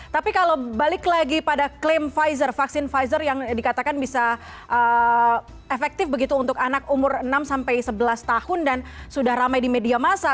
tapi kalau balik lagi pada klaim pfizer vaksin pfizer yang dikatakan bisa efektif begitu untuk anak umur enam sampai sebelas tahun dan sudah ramai di media masa